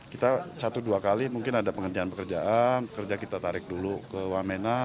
kita satu dua kali mungkin ada penghentian pekerjaan kerja kita tarik dulu ke wamena